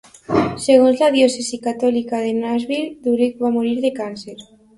Segons la diòcesi catòlica de Nashville, Durick va morir de càncer.